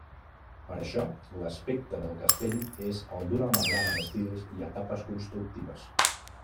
Per això l'aspecte del castell és el d'una amalgama d'estils i etapes constructives.